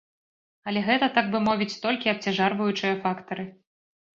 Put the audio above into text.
Але гэта, так бы мовіць, толькі абцяжарваючыя фактары.